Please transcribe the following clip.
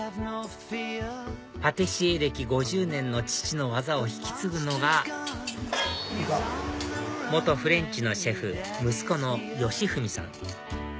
パティシエ歴５０年の父の技を引き継ぐのが元フレンチのシェフ息子の佳史さん